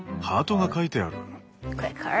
ハートが描いてある。